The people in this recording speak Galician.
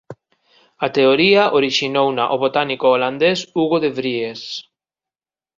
O teoría orixinouna o botánico holandés Hugo de Vries.